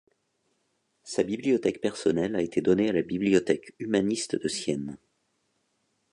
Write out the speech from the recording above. Sa bibliothèque personnelle a été donnée à la bibliothèque humaniste de Sienne.